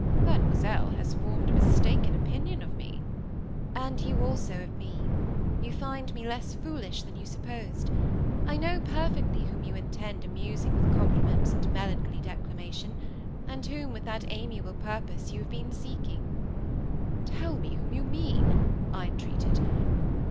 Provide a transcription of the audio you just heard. "Mademoiselle has formed a mistaken opinion of me." "And you also of me; you find me less foolish than you supposed. I know perfectly whom you intend amusing with compliments and melancholy declamation, and whom, with that amiable purpose, you have been seeking." "Tell me whom you mean," I entreated.